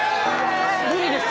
無理です。